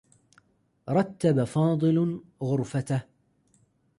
رتّب فاضل غرفتة.